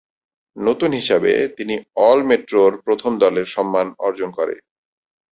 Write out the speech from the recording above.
নতুন হিসাবে, তিনি অল-মেট্রোর প্রথম দলের সম্মান অর্জন করে।